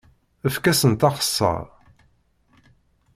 Efk-asent axeṣṣar!